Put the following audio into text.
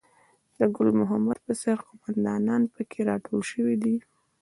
د ګل محمد په څېر قوماندانان په کې راټول شوي دي.